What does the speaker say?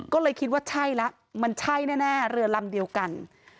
ก็เลยคิดว่าใช่แล้วมันใช่แน่เรือลำเดียวกัน